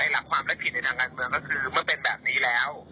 หลักผิดในทางต่างเมืองก็คือเมื่อเป็นแบบนี้แล้ว